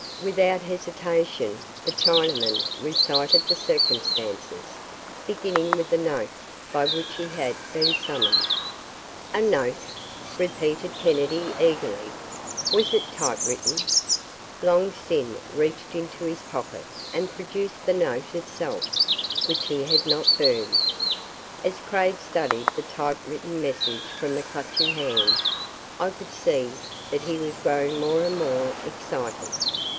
Without hesitation, the Chinaman recited the circumstances, beginning with the note by which he had been summoned. "A note?" repeated Kennedy, eagerly. "Was it typewritten?" Long Sin reached into his pocket and produced the note itself, which he had not burned. As Craig studied the typewritten message from the Clutching Hand I could see that he was growing more and more excited.